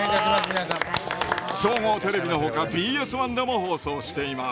総合テレビのほかＢＳ１でも放送しています。